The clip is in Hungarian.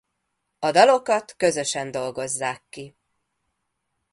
A dalokat közösen dolgozzák ki.